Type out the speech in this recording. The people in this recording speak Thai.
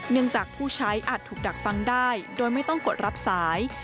จากผู้ใช้อาจถูกดักฟังได้โดยไม่ต้องกดรับสาย